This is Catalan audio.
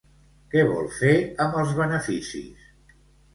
Què vol fer amb els beneficis?